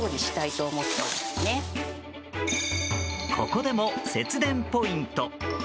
ここでも節電ポイント。